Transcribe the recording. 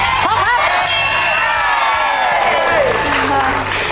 ได้